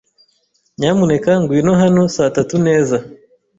Nyamuneka ngwino hano saa tatu neza.